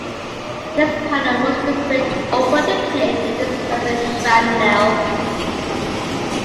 This powder was to break open the case and disperse the shrapnel.